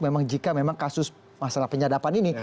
memang jika memang kasus masalah penyadapan ini